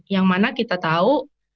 yang mana kita tahu